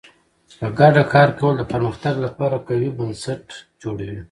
په ګډه کار کول د پرمختګ لپاره قوي بنسټ جوړوي.